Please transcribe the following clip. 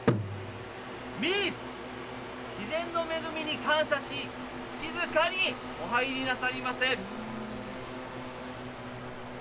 三つ、自然の恵みに感謝し、静かにお入りなさりませ。